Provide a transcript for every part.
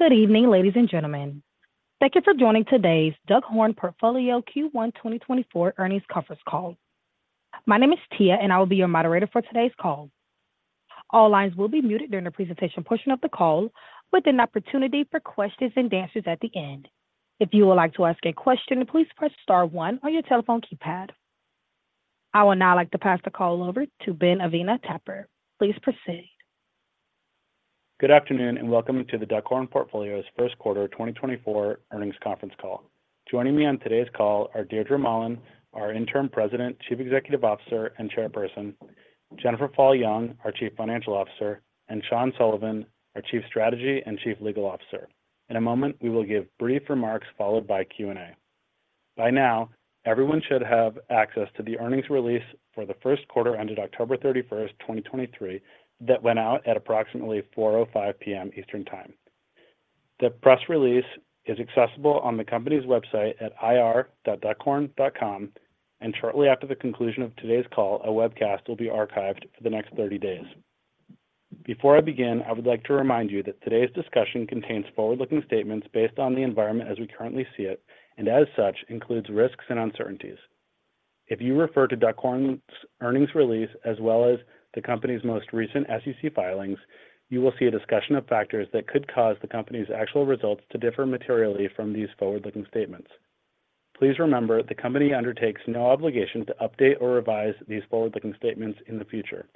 Good evening, ladies and gentlemen. Thank you for joining today's Duckhorn Portfolio Q1 2024 earnings conference call. My name is Tia, and I will be your moderator for today's call. All lines will be muted during the presentation portion of the call, with an opportunity for questions-and-answers at the end. If you would like to ask a question, please press star one on your telephone keypad. I would now like to pass the call over to Ben Avenia-Tapper. Please proceed. Good afternoon, and welcome to the Duckhorn Portfolio's first quarter 2024 earnings conference call. Joining me on today's call are Deirdre Mahlan, our Interim President, Chief Executive Officer, and Chairperson, Jennifer Fall Jung, our Chief Financial Officer, and Sean Sullivan, our Chief Strategy and Chief Legal Officer. In a moment, we will give brief remarks followed by Q&A. By now, everyone should have access to the earnings release for the first quarter ended October 31, 2023, that went out at approximately 4:05 P.M. Eastern Time. The press release is accessible on the company's website at ir.duckhorn.com, and shortly after the conclusion of today's call, a webcast will be archived for the next 30 days. Before I begin, I would like to remind you that today's discussion contains forward-looking statements based on the environment as we currently see it, and as such, includes risks and uncertainties. If you refer to Duckhorn's earnings release, as well as the company's most recent SEC filings, you will see a discussion of factors that could cause the company's actual results to differ materially from these forward-looking statements. Please remember, the company undertakes no obligation to update or revise these forward-looking statements in the future.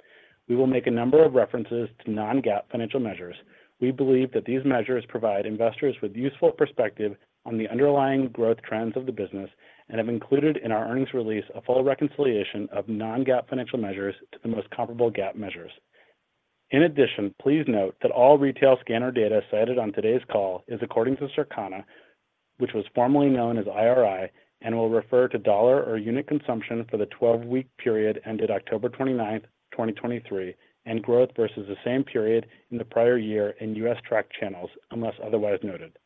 We will make a number of references to non-GAAP financial measures. We believe that these measures provide investors with useful perspective on the underlying growth trends of the business and have included in our earnings release a full reconciliation of non-GAAP financial measures to the most comparable GAAP measures. In addition, please note that all retail scanner data cited on today's call is according to Circana, which was formerly known as IRI, and will refer to dollar or unit consumption for the 12-week period ended October 29, 2023, and growth versus the same period in the prior year in U.S. track channels, unless otherwise noted.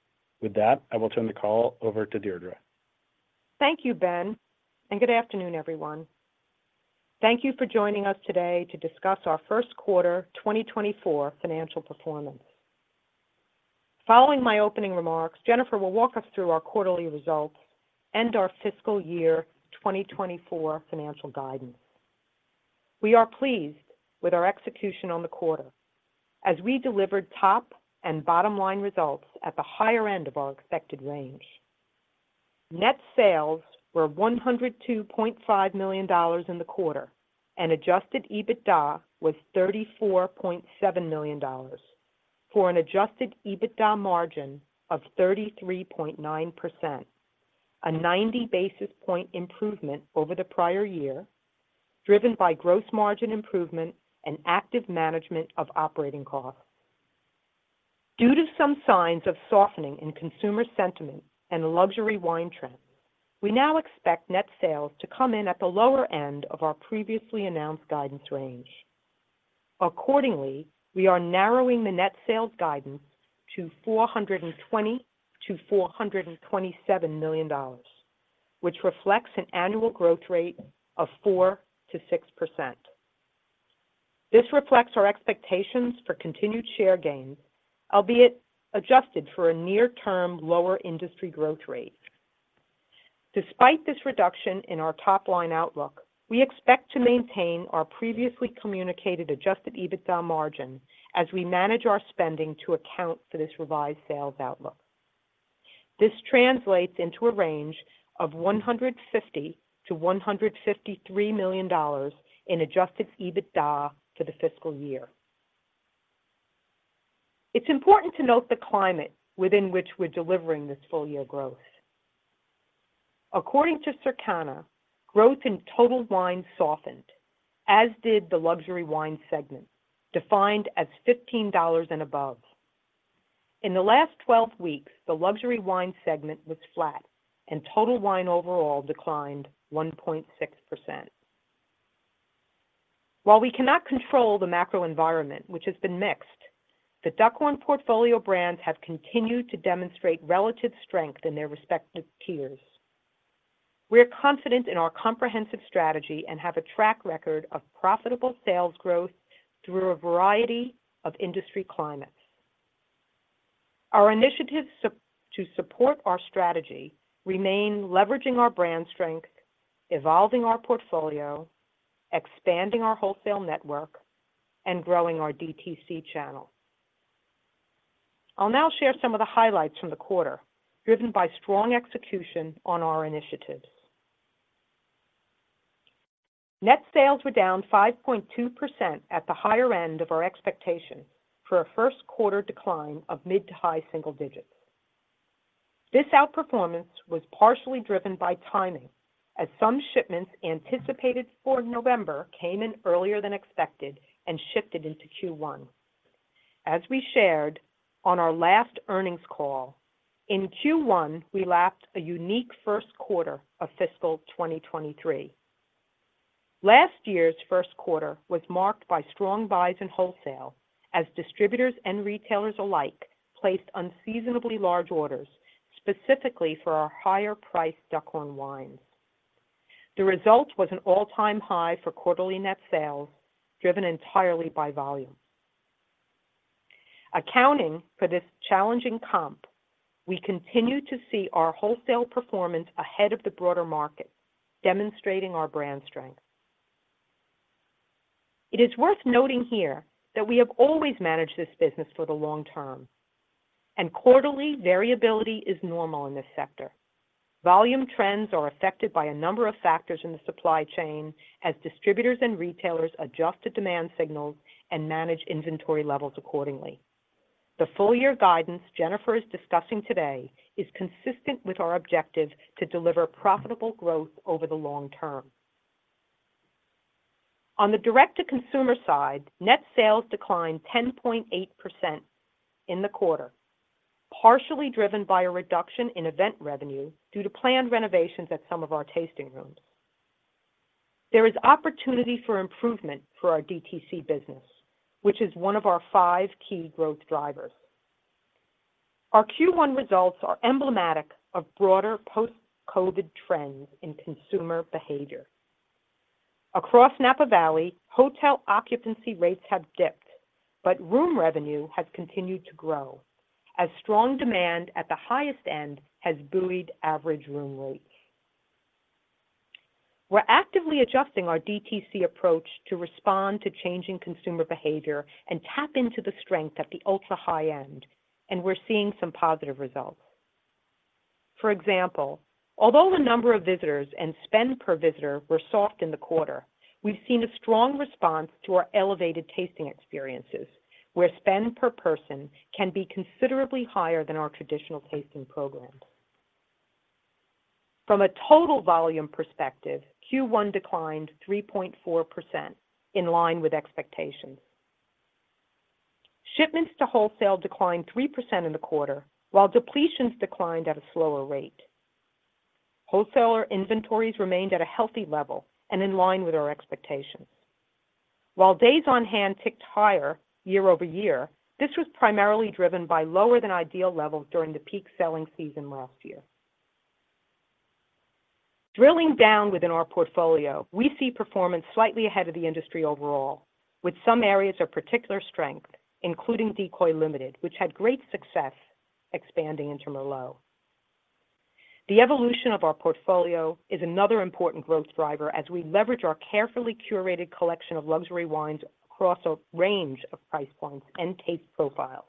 With that, I will turn the call over to Deirdre. Thank you, Ben, and good afternoon, everyone. Thank you for joining us today to discuss our first quarter 2024 financial performance. Following my opening remarks, Jennifer will walk us through our quarterly results and our fiscal year 2024 financial guidance. We are pleased with our execution on the quarter as we delivered top and bottom line results at the higher end of our expected range. Net sales were $102.5 million in the quarter, and Adjusted EBITDA was $34.7 million, for an Adjusted EBITDA margin of 33.9%, a 90 basis point improvement over the prior year, driven by gross margin improvement and active management of operating costs. Due to some signs of softening in consumer sentiment and luxury wine trends, we now expect net sales to come in at the lower end of our previously announced guidance range. Accordingly, we are narrowing the net sales guidance to $420 million-$427 million, which reflects an annual growth rate of 4%-6%. This reflects our expectations for continued share gains, albeit adjusted for a near-term lower industry growth rate. Despite this reduction in our top-line outlook, we expect to maintain our previously communicated Adjusted EBITDA margin as we manage our spending to account for this revised sales outlook. This translates into a range of $150 million-$153 million in Adjusted EBITDA for the fiscal year. It's important to note the climate within which we're delivering this full-year growth. According to Circana, growth in total wine softened, as did the luxury wine segment, defined as $15 and above. In the last 12 weeks, the luxury wine segment was flat, and total wine overall declined 1.6%. While we cannot control the macro environment, which has been mixed, the Duckhorn Portfolio brands have continued to demonstrate relative strength in their respective tiers. We are confident in our comprehensive strategy and have a track record of profitable sales growth through a variety of industry climates. Our initiatives to support our strategy remain leveraging our brand strength, evolving our portfolio, expanding our wholesale network, and growing our DTC channel. I'll now share some of the highlights from the quarter, driven by strong execution on our initiatives. Net sales were down 5.2% at the higher end of our expectation for a first quarter decline of mid- to high-single digits. This outperformance was partially driven by timing, as some shipments anticipated for November came in earlier than expected and shifted into Q1. As we shared on our last earnings call, in Q1, we lapped a unique first quarter of fiscal 2023. Last year's first quarter was marked by strong buys in wholesale as distributors and retailers alike placed unseasonably large orders, specifically for our higher priced Duckhorn wines. The result was an all-time high for quarterly net sales, driven entirely by volume. Accounting for this challenging comp, we continued to see our wholesale performance ahead of the broader market, demonstrating our brand strength. It is worth noting here that we have always managed this business for the long term, and quarterly variability is normal in this sector. Volume trends are affected by a number of factors in the supply chain as distributors and retailers adjust to demand signals and manage inventory levels accordingly. The full year guidance Jennifer is discussing today is consistent with our objective to deliver profitable growth over the long term. On the direct-to-consumer side, net sales declined 10.8% in the quarter, partially driven by a reduction in event revenue due to planned renovations at some of our tasting rooms. There is opportunity for improvement for our DTC business, which is one of our five key growth drivers. Our Q1 results are emblematic of broader post-COVID trends in consumer behavior. Across Napa Valley, hotel occupancy rates have dipped, but room revenue has continued to grow, as strong demand at the highest end has buoyed average room rates. We're actively adjusting our DTC approach to respond to changing consumer behavior and tap into the strength at the ultra high end, and we're seeing some positive results. For example, although the number of visitors and spend per visitor were soft in the quarter, we've seen a strong response to our elevated tasting experiences, where spend per person can be considerably higher than our traditional tasting programs. From a total volume perspective, Q1 declined 3.4%, in line with expectations. Shipments to wholesale declined 3% in the quarter, while depletions declined at a slower rate. Wholesaler inventories remained at a healthy level and in line with our expectations. While days on hand ticked higher year-over-year, this was primarily driven by lower than ideal levels during the peak selling season last year. Drilling down within our portfolio, we see performance slightly ahead of the industry overall, with some areas of particular strength, including Decoy Limited, which had great success expanding into Merlot. The evolution of our portfolio is another important growth driver as we leverage our carefully curated collection of luxury wines across a range of price points and taste profiles.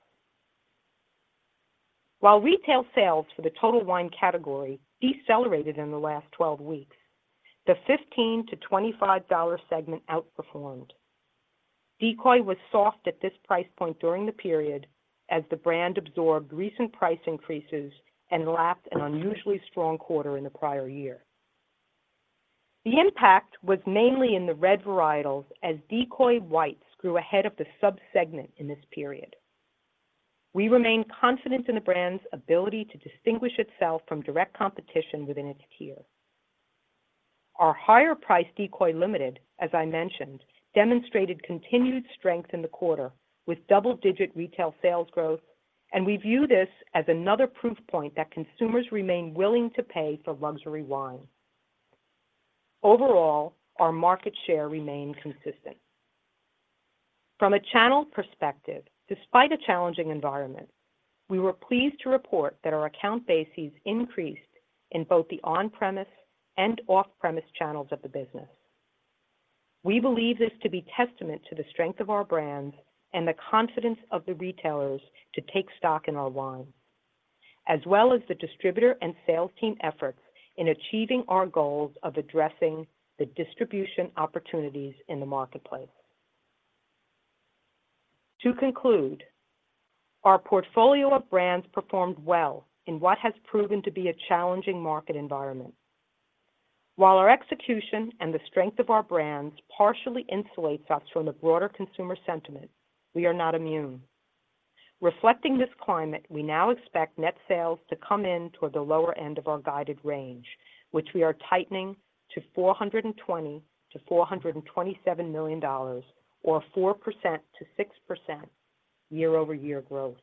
While retail sales for the total wine category decelerated in the last 12 weeks, the $15-$25 segment outperformed. Decoy was soft at this price point during the period as the brand absorbed recent price increases and lapped an unusually strong quarter in the prior year. The impact was mainly in the red varietals as Decoy whites grew ahead of the subsegment in this period. We remain confident in the brand's ability to distinguish itself from direct competition within its tier. Our higher priced Decoy Limited, as I mentioned, demonstrated continued strength in the quarter, with double-digit retail sales growth, and we view this as another proof point that consumers remain willing to pay for luxury wine. Overall, our market share remained consistent. From a channel perspective, despite a challenging environment, we were pleased to report that our account bases increased in both the on-premise and off-premise channels of the business. We believe this to be testament to the strength of our brands and the confidence of the retailers to take stock in our wine, as well as the distributor and sales team efforts in achieving our goals of addressing the distribution opportunities in the marketplace. To conclude, our portfolio of brands performed well in what has proven to be a challenging market environment. While our execution and the strength of our brands partially insulates us from the broader consumer sentiment, we are not immune. Reflecting this climate, we now expect net sales to come in toward the lower end of our guided range, which we are tightening to $420 million to $427 million, or 4% to 6% year-over-year growth.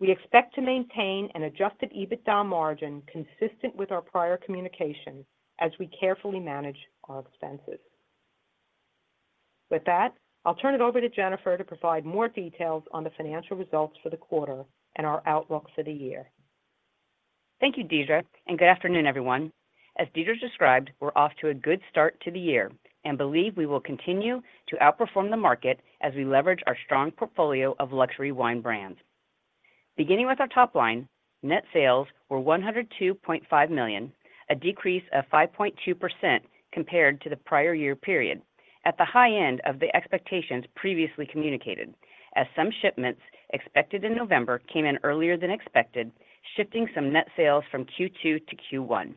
We expect to maintain an Adjusted EBITDA margin consistent with our prior communication as we carefully manage our expenses. With that, I'll turn it over to Jennifer to provide more details on the financial results for the quarter and our outlook for the year. Thank you, Deirdre, and good afternoon, everyone. As Deirdre described, we're off to a good start to the year and believe we will continue to outperform the market as we leverage our strong portfolio of luxury wine brands. Beginning with our top line, net sales were $102.5 million, a decrease of 5.2% compared to the prior year period, at the high end of the expectations previously communicated, as some shipments expected in November came in earlier than expected, shifting some net sales from Q2 to Q1.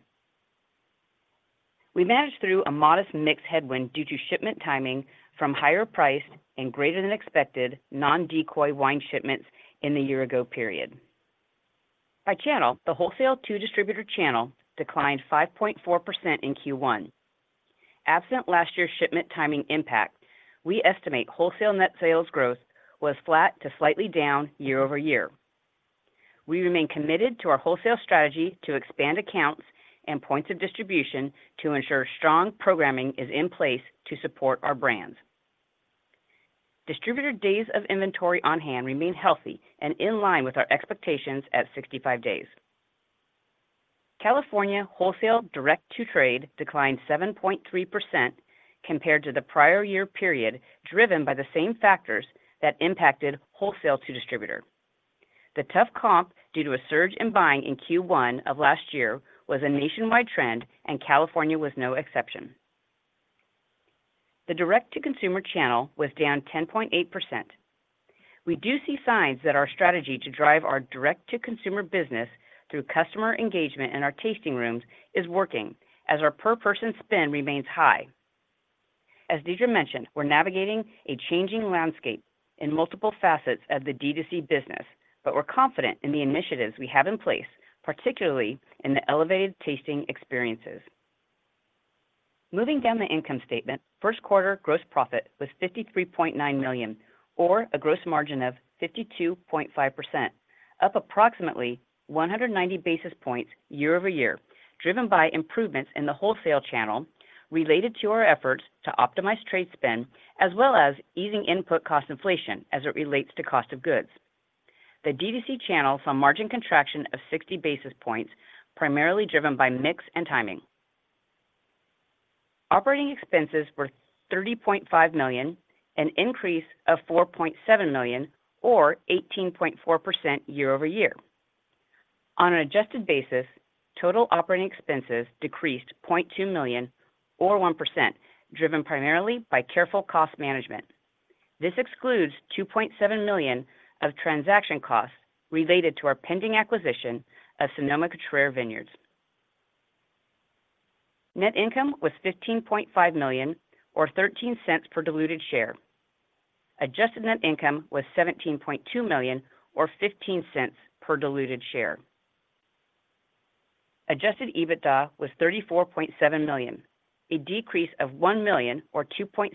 We managed through a modest mix headwind due to shipment timing from higher priced and greater than expected non-Decoy wine shipments in the year ago period. By channel, the wholesale to distributor channel declined 5.4% in Q1. Absent last year's shipment timing impact, we estimate wholesale net sales growth was flat to slightly down year-over-year. We remain committed to our wholesale strategy to expand accounts and points of distribution to ensure strong programming is in place to support our brands. Distributor days of inventory on hand remain healthy and in line with our expectations at 65 days. California wholesale direct-to-trade declined 7.3% compared to the prior year period, driven by the same factors that impacted wholesale to distributor. The tough comp, due to a surge in buying in Q1 of last year, was a nationwide trend, and California was no exception. The direct-to-consumer channel was down 10.8%. We do see signs that our strategy to drive our direct-to-consumer business through customer engagement in our tasting rooms is working, as our per person spend remains high. As Deirdre mentioned, we're navigating a changing landscape in multiple facets of the D2C business, but we're confident in the initiatives we have in place, particularly in the elevated tasting experiences. Moving down the income statement, first quarter gross profit was $53.9 million, or a gross margin of 52.5%, up approximately 190 basis points year-over-year, driven by improvements in the wholesale channel related to our efforts to optimize trade spend, as well as easing input cost inflation as it relates to cost of goods. The D2C channel saw a margin contraction of 60 basis points, primarily driven by mix and timing. Operating expenses were $30.5 million, an increase of $4.7 million, or 18.4% year-over-year. On an adjusted basis, total operating expenses decreased $0.2 million, or 1%, driven primarily by careful cost management. This excludes $2.7 million of transaction costs related to our pending acquisition of Sonoma-Cutrer Vineyards. Net income was $15.5 million, or $0.13 per diluted share. Adjusted net income was $17.2 million, or $0.15 per diluted share. Adjusted EBITDA was $34.7 million, a decrease of $1 million or 2.7%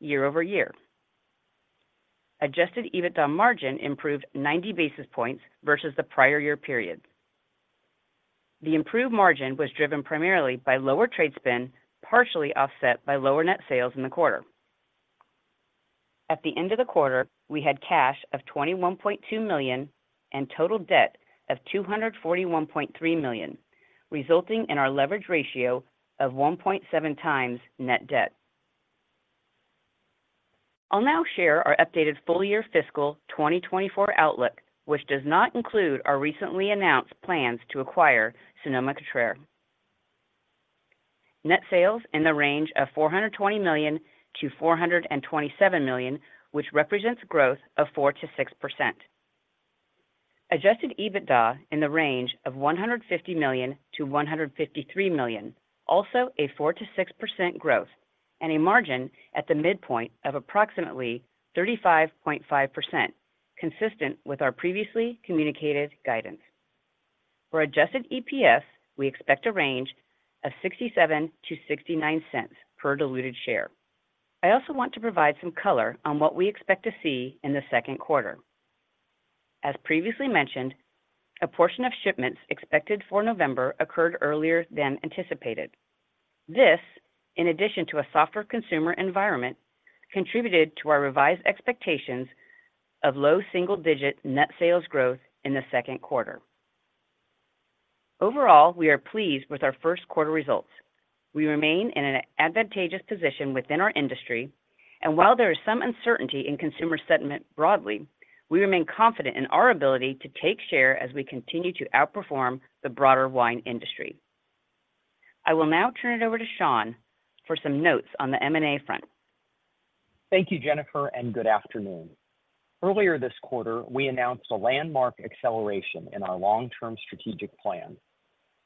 year-over-year. Adjusted EBITDA margin improved 90 basis points versus the prior year period. The improved margin was driven primarily by lower trade spend, partially offset by lower net sales in the quarter. At the end of the quarter, we had cash of $21.2 million and total debt of $241.3 million, resulting in our leverage ratio of 1.7x net debt. I'll now share our updated full-year fiscal 2024 outlook, which does not include our recently announced plans to acquire Sonoma-Cutrer. Net sales in the range of $420 million-$427 million, which represents growth of 4% to 6%. Adjusted EBITDA in the range of $150 million-$153 million, also a 4% to 6% growth and a margin at the midpoint of approximately 35.5%, consistent with our previously communicated guidance. For Adjusted EPS, we expect a range of $0.67-$0.69 per diluted share. I also want to provide some color on what we expect to see in the second quarter. As previously mentioned, a portion of shipments expected for November occurred earlier than anticipated. This, in addition to a softer consumer environment, contributed to our revised expectations of low single-digit net sales growth in the second quarter. Overall, we are pleased with our first quarter results. We remain in an advantageous position within our industry, and while there is some uncertainty in consumer sentiment broadly, we remain confident in our ability to take share as we continue to outperform the broader wine industry. I will now turn it over to Sean for some notes on the M&A front. Thank you, Jennifer, and good afternoon. Earlier this quarter, we announced a landmark acceleration in our long-term strategic plan.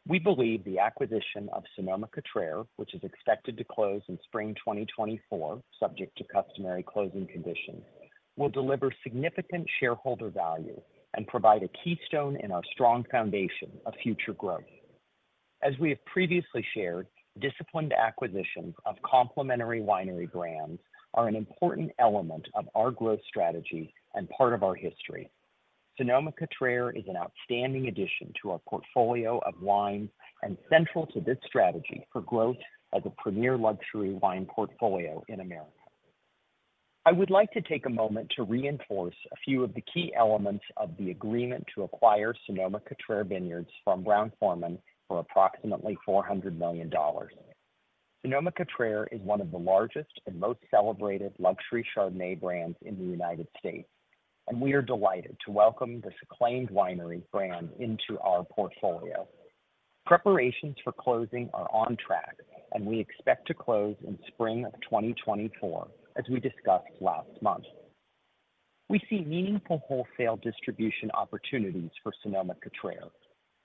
We believe the acquisition of Sonoma-Cutrer, which is expected to close in spring 2024, subject to customary closing conditions, will deliver significant shareholder value and provide a keystone in our strong foundation of future growth. As we have previously shared, disciplined acquisitions of complementary winery brands are an important element of our growth strategy and part of our history. Sonoma-Cutrer is an outstanding addition to our portfolio of wines and central to this strategy for growth as a premier luxury wine portfolio in America. I would like to take a moment to reinforce a few of the key elements of the agreement to acquire Sonoma-Cutrer Vineyards from Brown-Forman for approximately $400 million. Sonoma-Cutrer is one of the largest and most celebrated luxury Chardonnay brands in the United States, and we are delighted to welcome this acclaimed winery brand into our portfolio. Preparations for closing are on track, and we expect to close in spring of 2024, as we discussed last month. We see meaningful wholesale distribution opportunities for Sonoma-Cutrer.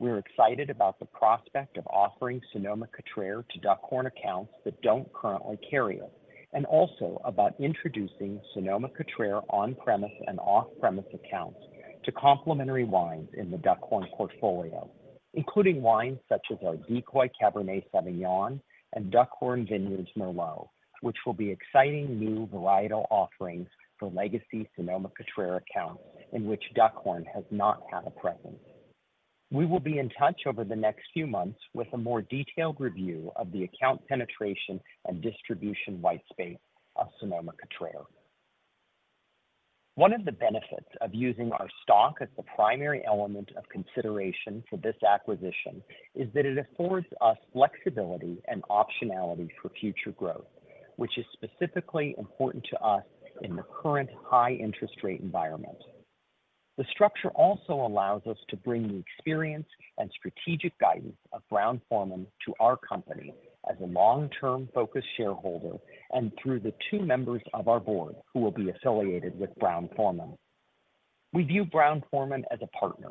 We're excited about the prospect of offering Sonoma-Cutrer to Duckhorn accounts that don't currently carry it, and also about introducing Sonoma-Cutrer on-premise and off-premise accounts to complementary wines in the Duckhorn portfolio, including wines such as our Decoy Cabernet Sauvignon and Duckhorn Vineyards Merlot, which will be exciting new varietal offerings for legacy Sonoma-Cutrer accounts in which Duckhorn has not had a presence.... We will be in touch over the next few months with a more detailed review of the account penetration and distribution white space of Sonoma-Cutrer. One of the benefits of using our stock as the primary element of consideration for this acquisition is that it affords us flexibility and optionality for future growth, which is specifically important to us in the current high interest rate environment. The structure also allows us to bring the experience and strategic guidance of Brown-Forman to our company as a long-term focused shareholder and through the two members of our board who will be affiliated with Brown-Forman. We view Brown-Forman as a partner,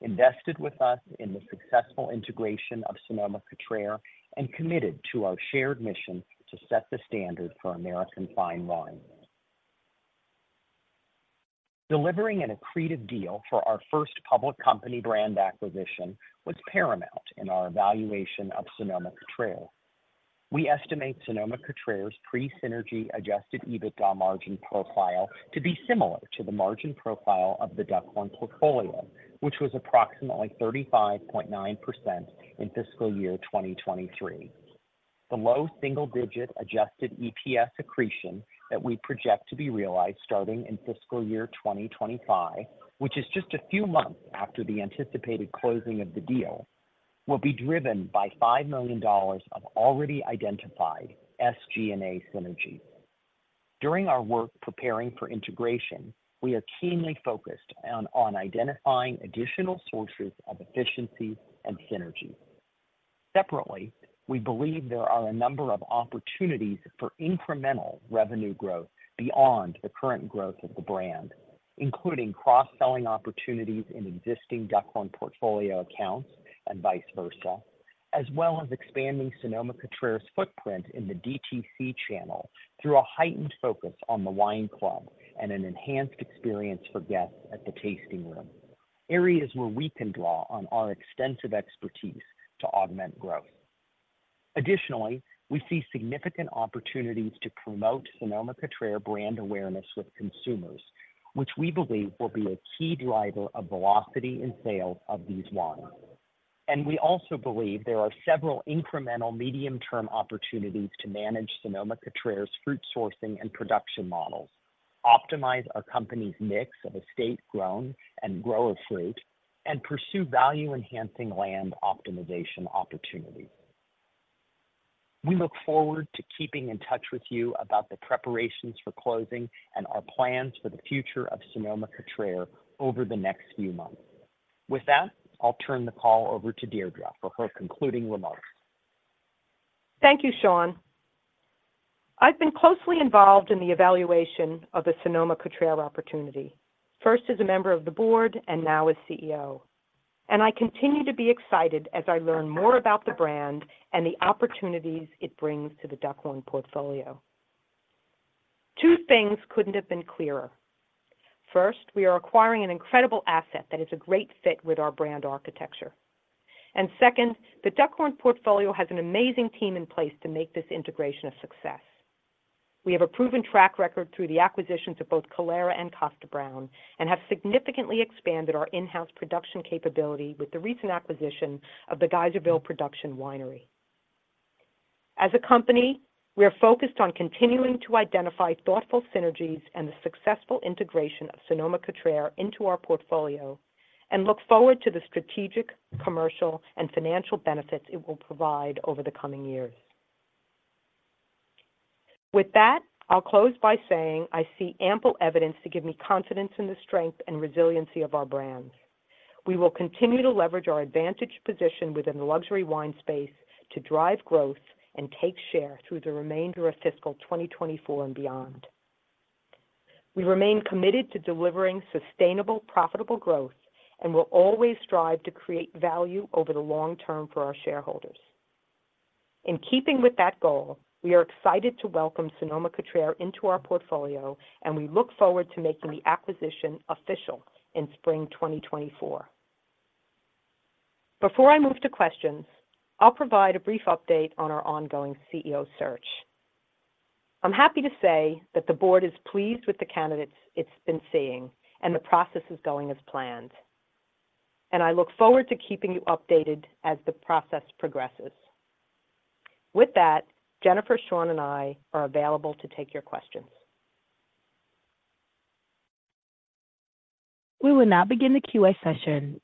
invested with us in the successful integration of Sonoma-Cutrer, and committed to our shared mission to set the standard for American fine wine. Delivering an accretive deal for our first public company brand acquisition was paramount in our evaluation of Sonoma-Cutrer. We estimate Sonoma-Cutrer's pre-synergy Adjusted EBITDA margin profile to be similar to the margin profile of the Duckhorn Portfolio, which was approximately 35.9% in fiscal year 2023. The low single digit Adjusted EPS accretion that we project to be realized starting in fiscal year 2025, which is just a few months after the anticipated closing of the deal, will be driven by $5 million of already identified SG&A synergies. During our work preparing for integration, we are keenly focused on identifying additional sources of efficiencies and synergies. Separately, we believe there are a number of opportunities for incremental revenue growth beyond the current growth of the brand, including cross-selling opportunities in existing Duckhorn Portfolio accounts and vice versa, as well as expanding Sonoma-Cutrer's footprint in the DTC channel through a heightened focus on the wine club and an enhanced experience for guests at the tasting room, areas where we can draw on our extensive expertise to augment growth. Additionally, we see significant opportunities to promote Sonoma-Cutrer brand awareness with consumers, which we believe will be a key driver of velocity and sales of these wines. We also believe there are several incremental medium-term opportunities to manage Sonoma-Cutrer's fruit sourcing and production models, optimize our company's mix of estate-grown and grower fruit, and pursue value-enhancing land optimization opportunities. We look forward to keeping in touch with you about the preparations for closing and our plans for the future of Sonoma-Cutrer over the next few months. With that, I'll turn the call over to Deirdre for her concluding remarks. Thank you, Sean. I've been closely involved in the evaluation of the Sonoma-Cutrer opportunity, first as a member of the board and now as CEO, and I continue to be excited as I learn more about the brand and the opportunities it brings to the Duckhorn Portfolio. Two things couldn't have been clearer. First, we are acquiring an incredible asset that is a great fit with our brand architecture. And second, the Duckhorn Portfolio has an amazing team in place to make this integration a success. We have a proven track record through the acquisitions of both Calera and Kosta Browne, and have significantly expanded our in-house production capability with the recent acquisition of the Geyserville Production Winery. As a company, we are focused on continuing to identify thoughtful synergies and the successful integration of Sonoma-Cutrer into our portfolio, and look forward to the strategic, commercial, and financial benefits it will provide over the coming years. With that, I'll close by saying I see ample evidence to give me confidence in the strength and resiliency of our brands. We will continue to leverage our advantaged position within the luxury wine space to drive growth and take share through the remainder of fiscal 2024 and beyond. We remain committed to delivering sustainable, profitable growth and will always strive to create value over the long term for our shareholders. In keeping with that goal, we are excited to welcome Sonoma-Cutrer into our portfolio, and we look forward to making the acquisition official in spring 2024. Before I move to questions, I'll provide a brief update on our ongoing CEO search. I'm happy to say that the board is pleased with the candidates it's been seeing, and the process is going as planned, and I look forward to keeping you updated as the process progresses. With that, Jennifer, Sean, and I are available to take your questions. We will now begin the Q&A session.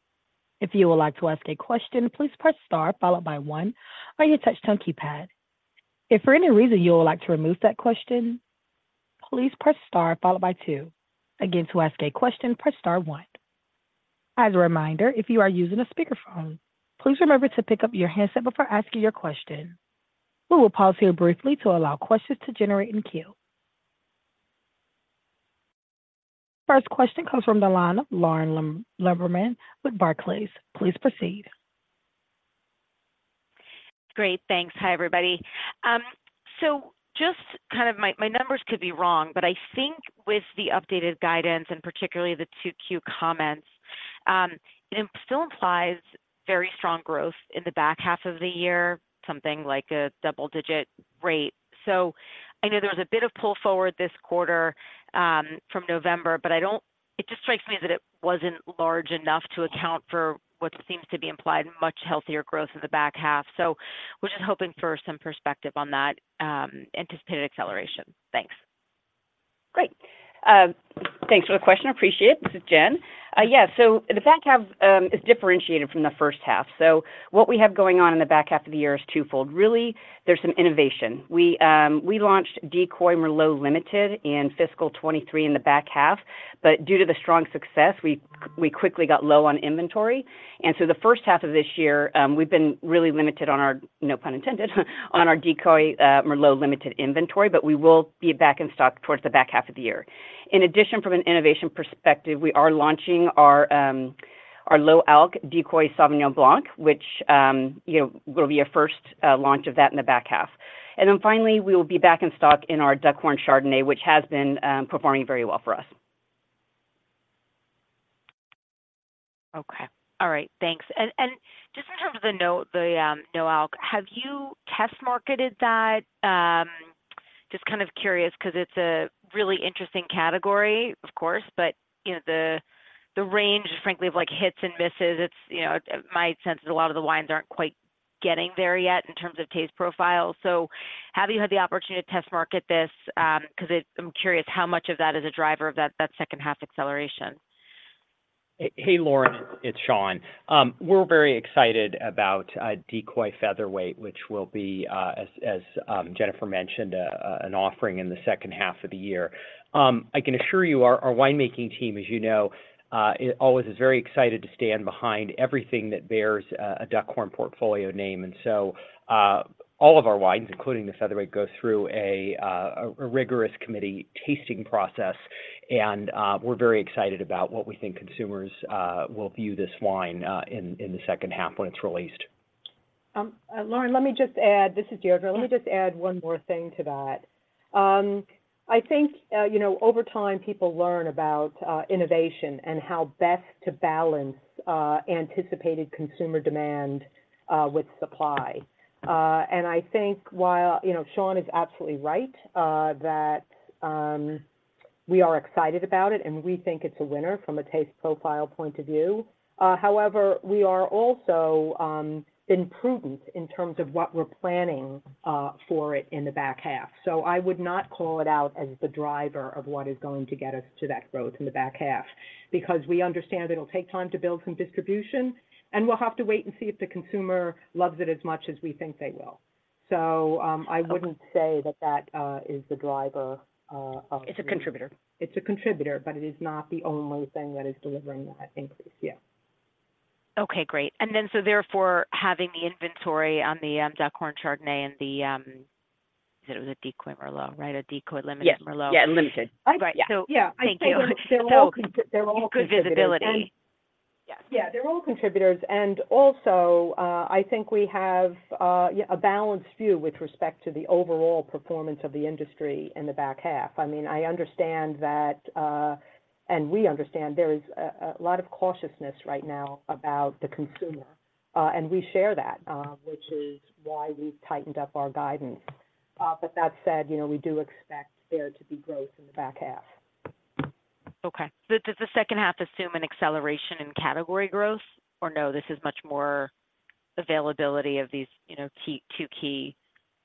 If you would like to ask a question, please press star followed by one on your touch tone keypad. If for any reason you would like to remove that question, please press star followed by two. Again, to ask a question, press star one. As a reminder, if you are using a speakerphone, please remember to pick up your handset before asking your question. We will pause here briefly to allow questions to generate in queue. First question comes from the line of Lauren Lieberman with Barclays. Please proceed. Great, thanks. Hi, everybody. So just kind of, my, my numbers could be wrong, but I think with the updated guidance and particularly the 2Q comments, It still implies very strong growth in the back half of the year, something like a double-digit rate. So I know there was a bit of pull forward this quarter from November, but I don't. It just strikes me that it wasn't large enough to account for what seems to be implied, much healthier growth in the back half. So was just hoping for some perspective on that anticipated acceleration. Thanks. Great. Thanks for the question. Appreciate it. This is Jen. Yeah, so the back half is differentiated from the first half. So what we have going on in the back half of the year is twofold. Really, there's some innovation. We, we launched Decoy Merlot Limited in fiscal 2023 in the back half, but due to the strong success, we, we quickly got low on inventory. And so the first half of this year, we've been really limited on our, no pun intended, on our Decoy Merlot Limited inventory, but we will be back in stock towards the back half of the year. In addition, from an innovation perspective, we are launching our, our low-alc Decoy Sauvignon Blanc, which, you know, will be a first launch of that in the back half. Finally, we will be back in stock in our Duckhorn Chardonnay, which has been performing very well for us. Okay. All right. Thanks. And, and just in terms of the no, the no alc, have you test marketed that? Just kind of curious, 'cause it's a really interesting category, of course, but you know, the range, frankly, of like hits and misses, it's you know, my sense is a lot of the wines aren't quite getting there yet in terms of taste profile. So have you had the opportunity to test market this? 'Cause it... I'm curious how much of that is a driver of that second half acceleration. Hey, Lauren, it's Sean. We're very excited about Decoy Featherweight, which will be, as Jennifer mentioned, an offering in the second half of the year. I can assure you our winemaking team, as you know, always is very excited to stand behind everything that bears a Duckhorn Portfolio name. And so, all of our wines, including this Featherweight, goes through a rigorous committee tasting process, and we're very excited about what we think consumers will view this wine in the second half when it's released. Lauren, let me just add... This is Deirdre. Let me just add one more thing to that. I think, you know, over time, people learn about, innovation and how best to balance, anticipated consumer demand, with supply. And I think while, you know, Sean is absolutely right, that, we are excited about it, and we think it's a winner from a taste profile point of view. However, we are also, being prudent in terms of what we're planning, for it in the back half. So I would not call it out as the driver of what is going to get us to that growth in the back half, because we understand it'll take time to build some distribution, and we'll have to wait and see if the consumer loves it as much as we think they will. So, I wouldn't say that is the driver of- It's a contributor. It's a contributor, but it is not the only thing that is delivering that increase. Yeah. Okay, great. And then, so therefore, having the inventory on the, Duckhorn Chardonnay and the, is it was a Decoy Merlot, right? A Decoy Limited Merlot. Yes. Yeah, Limited. Right. Yeah. Thank you. They're all con- Good visibility. Yes. Yeah, they're all contributors, and also, I think we have, yeah, a balanced view with respect to the overall performance of the industry in the back half. I mean, I understand that, and we understand there is a lot of cautiousness right now about the consumer, and we share that, which is why we've tightened up our guidance. But that said, you know, we do expect there to be growth in the back half. Okay. So does the second half assume an acceleration in category growth? Or no, this is much more availability of these, you know, key, two key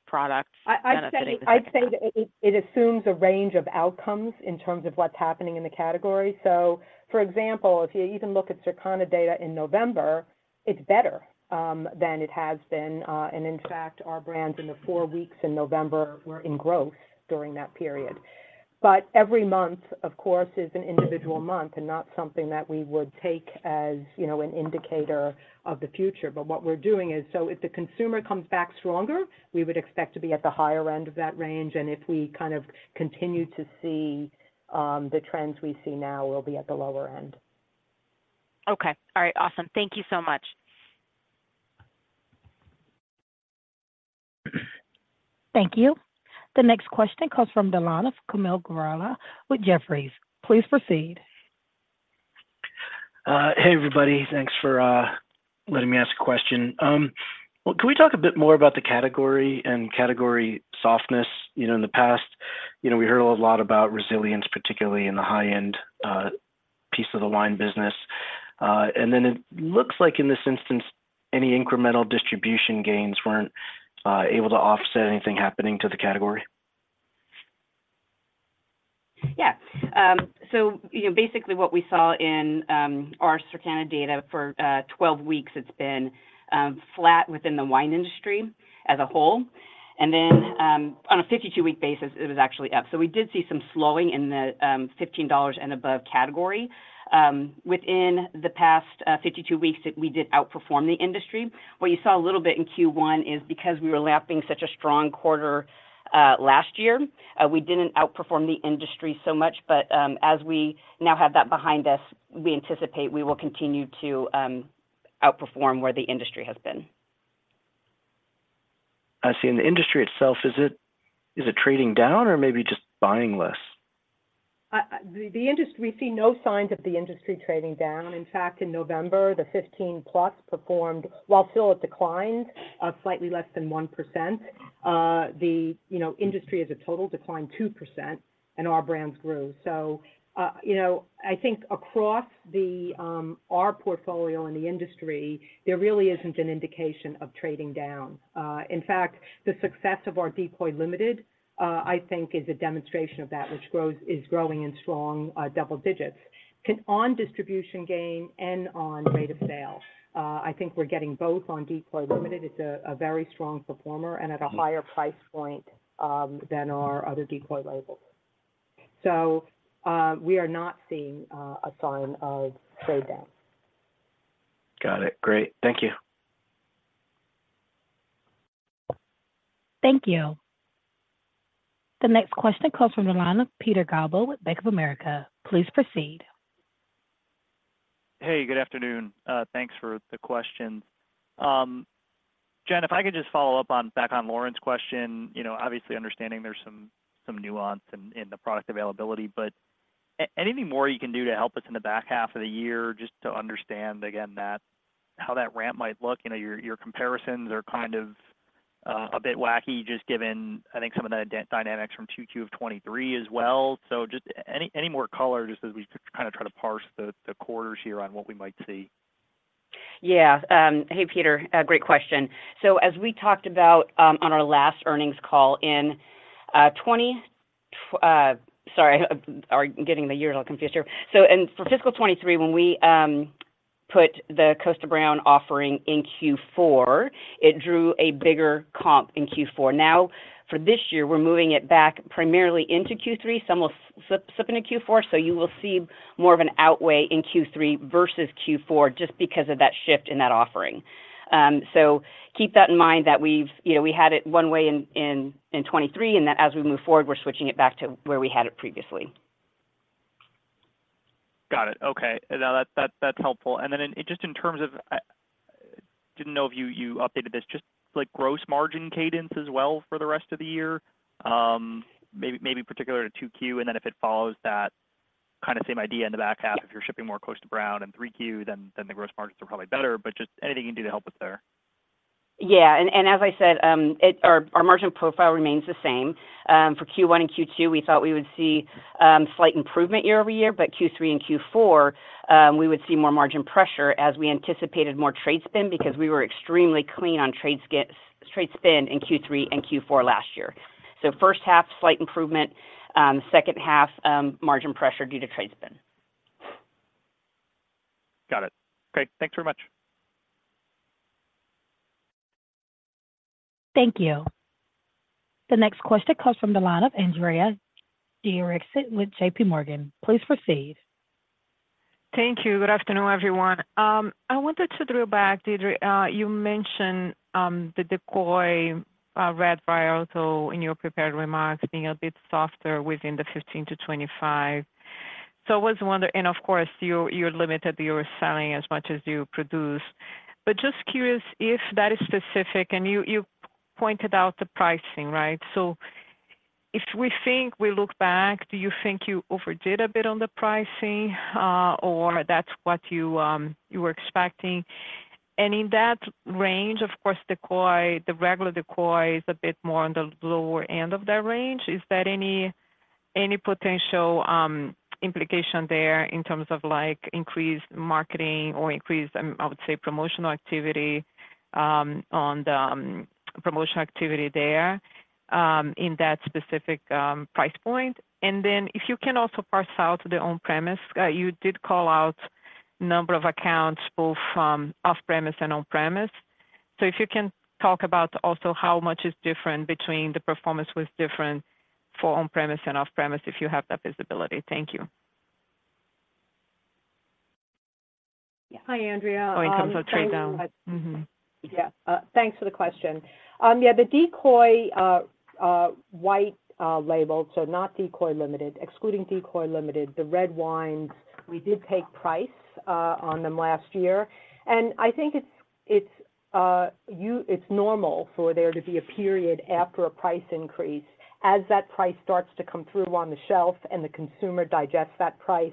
products benefiting? I'd say that it assumes a range of outcomes in terms of what's happening in the category. So, for example, if you even look at Circana data in November, it's better than it has been, and in fact, our brands in the four weeks in November were in growth during that period. But every month, of course, is an individual month and not something that we would take as, you know, an indicator of the future. But what we're doing is, so if the consumer comes back stronger, we would expect to be at the higher end of that range, and if we kind of continue to see the trends we see now, we'll be at the lower end. Okay. All right, awesome. Thank you so much. Thank you. The next question comes from Kaumil Gajrawala with Jefferies. Please proceed. Hey, everybody. Thanks for letting me ask a question. Well, can we talk a bit more about the category and category softness? You know, in the past, you know, we heard a lot about resilience, particularly in the high-end piece of the wine business. And then it looks like in this instance, any incremental distribution gains weren't able to offset anything happening to the category. Yeah. So you know, basically what we saw in our Circana data for 12 weeks, it's been flat within the wine industry as a whole. And then, on a 52-week basis, it was actually up. So we did see some slowing in the $15 and above category. Within the past 52 weeks, we did outperform the industry. What you saw a little bit in Q1 is because we were lapping such a strong quarter last year. We didn't outperform the industry so much, but as we now have that behind us, we anticipate we will continue to outperform where the industry has been. I see in the industry itself, is it, is it trading down or maybe just buying less? The industry, we see no signs of the industry trading down. In fact, in November, the 15+ performed, while still it declined slightly less than 1%, you know, the industry as a total declined 2%, and our brands grew. So, you know, I think across our portfolio in the industry, there really isn't an indication of trading down. In fact, the success of our Decoy Limited, I think is a demonstration of that, which grows, is growing in strong double digits. And on distribution gain and on rate of sale, I think we're getting both on Decoy Limited. It's a very strong performer and at a higher price point than our other Decoy labels. So, we are not seeing a sign of trade down. Got it. Great. Thank you. Thank you. The next question comes from the line of Peter Galbo with Bank of America. Please proceed. Hey, good afternoon. Thanks for the questions. Jen, if I could just follow up on, back on Lauren's question, you know, obviously understanding there's some, some nuance in, in the product availability, but anything more you can do to help us in the back half of the year, just to understand, again, that how that ramp might look? You know, your, your comparisons are kind of a bit wacky, just given, I think, some of the dynamics from 2Q of 2023 as well. So just any, any more color, just as we kind of try to parse the, the quarters here on what we might see. Yeah. Hey, Peter, great question. So as we talked about, on our last earnings call in, sorry, I am getting the years all confused here. So in for fiscal 2023, when we put the Kosta Browne offering in Q4, it drew a bigger comp in Q4. Now, for this year, we're moving it back primarily into Q3, some will slip into Q4, so you will see more of an outlay in Q3 versus Q4 just because of that shift in that offering. So keep that in mind that we've, you know, we had it one way in, in, in 2023, and then as we move forward, we're switching it back to where we had it previously. Got it. Okay. Now, that's helpful. And then, just in terms of, didn't know if you updated this, just like gross margin cadence as well for the rest of the year, maybe particularly to 2Q, and then if it follows that kind of same idea in the back half, if you're shipping more close to Q2 and 3Q, then the gross margins are probably better. But just anything you can do to help us there? Yeah, as I said, our margin profile remains the same. For Q1 and Q2, we thought we would see slight improvement year-over-year, but Q3 and Q4, we would see more margin pressure as we anticipated more trade spend, because we were extremely clean on trade spend in Q3 and Q4 last year. So first half, slight improvement, second half, margin pressure due to trade spend. Got it. Great. Thanks very much. Thank you. The next question comes from the line of Andrea Teixeira with JPMorgan. Please proceed. Thank you. Good afternoon, everyone. I wanted to circle back. Did you mentioned the Decoy red blend in your prepared remarks being a bit softer within the $15-$25. So I was wondering, and of course, you, you're limited, you're selling as much as you produce. But just curious if that is specific, and you, you pointed out the pricing, right? So if we think we look back, do you think you overdid a bit on the pricing, or that's what you you were expecting? And in that range, of course, Decoy, the regular Decoy is a bit more on the lower end of that range. Is there any potential implication there in terms of, like, increased marketing or increased promotional activity on the promotional activity there in that specific price point? And then if you can also parse out the On-Premise, you did call out number of accounts, both from Off-Premise and On-Premise. So if you can talk about also how much is different between the performance was different for On-Premise and Off-Premise, if you have that visibility. Thank you. Hi, Andrea- In terms of trade down. Mm-hmm Yeah. Thanks for the question. Yeah, the Decoy white label, so not Decoy Limited, excluding Decoy Limited, the red wines, we did take price on them last year. And I think it's normal for there to be a period after a price increase as that price starts to come through on the shelf and the consumer digests that price,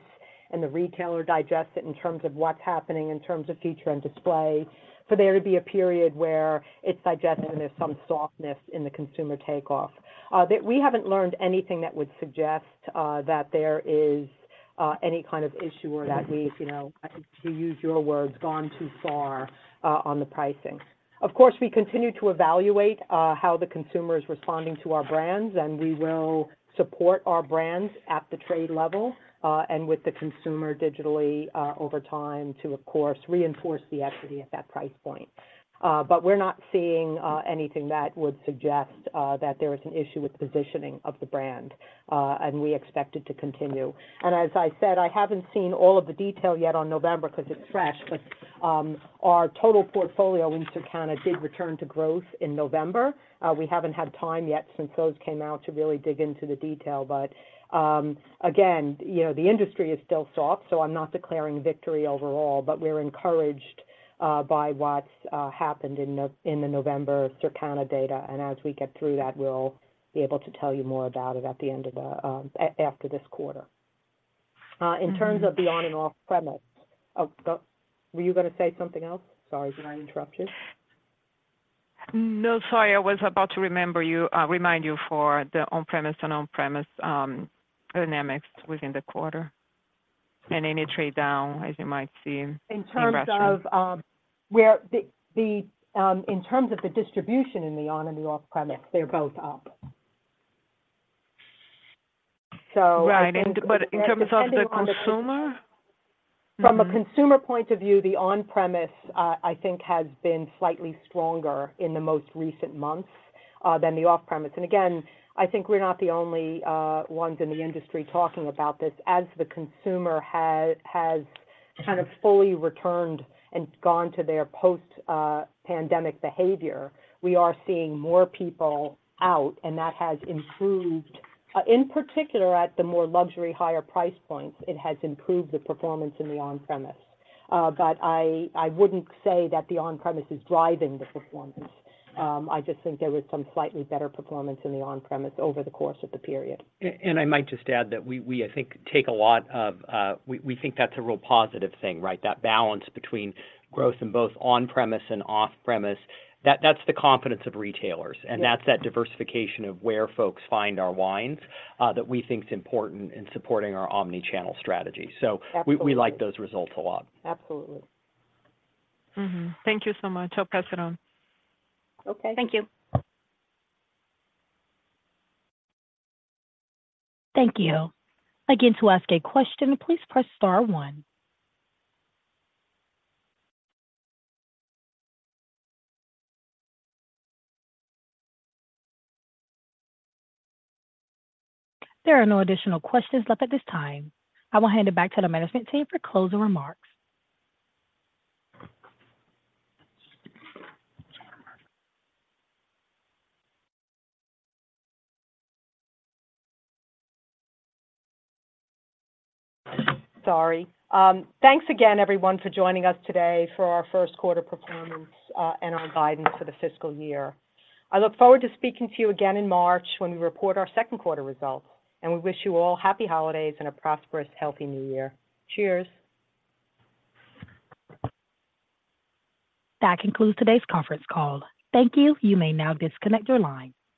and the retailer digests it in terms of what's happening, in terms of feature and display, for there to be a period where it's digested, and there's some softness in the consumer takeoff. That we haven't learned anything that would suggest that there is any kind of issue or that we've, you know, to use your words, gone too far on the pricing. Of course, we continue to evaluate how the consumer is responding to our brands, and we will support our brands at the trade level, and with the consumer digitally, over time to, of course, reinforce the equity at that price point. But we're not seeing anything that would suggest that there is an issue with the positioning of the brand, and we expect it to continue. And as I said, I haven't seen all of the detail yet on November because it's fresh, but our total portfolio in Canada did return to growth in November. We haven't had time yet since those came out to really dig into the detail. But again, you know, the industry is still soft, so I'm not declaring victory overall, but we're encouraged.... By what's happened in the November Circana data, and as we get through that, we'll be able to tell you more about it at the end of the after this quarter. In terms of the on- and off-premise, of the. Were you gonna say something else? Sorry, did I interrupt you? No, sorry. I was about to remember you, remind you for the on-premise and on-premise dynamics within the quarter, and any trade down, as you might see in Russia. In terms of the distribution in the on- and off-premise, they're both up. So- Right, but in terms of the consumer? From a consumer point of view, the On-Premise, I think, has been slightly stronger in the most recent months than the Off-Premise. And again, I think we're not the only ones in the industry talking about this. As the consumer has kind of fully returned and gone to their post-pandemic behavior, we are seeing more people out, and that has improved, in particular, at the more luxury, higher price points; it has improved the performance in the On-Premise. But I wouldn't say that the On-Premise is driving the performance. I just think there was some slightly better performance in the On-Premise over the course of the period. And I might just add that, I think, we think that's a real positive thing, right? That balance between growth in both on-premise and off-premise, that's the confidence of retailers- Yes. and that's that diversification of where folks find our wines, that we think is important in supporting our omni-channel strategy. Absolutely. We like those results a lot. Absolutely. Mm-hmm. Thank you so much. I'll pass it on. Okay. Thank you. Thank you. Again, to ask a question, please press star one. There are no additional questions left at this time. I will hand it back to the management team for closing remarks. Sorry. Thanks again, everyone, for joining us today for our first quarter performance, and our guidance for the fiscal year. I look forward to speaking to you again in March when we report our second quarter results, and we wish you all happy holidays and a prosperous, healthy new year. Cheers! That concludes today's conference call. Thank you. You may now disconnect your line.